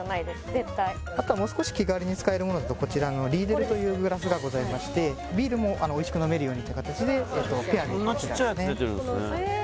絶対あとはもう少し気軽に使えるものだとこちらのリーデルというグラスがございましてビールもおいしく飲めるようにっていう形でペアでこんなちっちゃいやつ出てるんですね